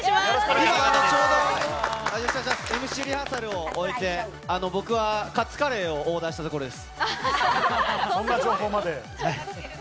今ちょうどＭＣリハーサルを終えて僕はカツカレーをオーダーしたところです。